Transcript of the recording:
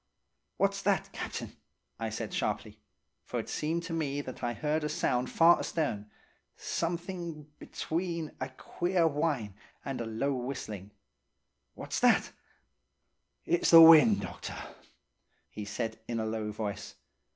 "'What's that, Captain?' I said sharply; for it seemed to me that I heard a sound far astern, something, between a queer whine and a low whistling. 'What's that?' "'It's wind, doctor.' he said in a low voice.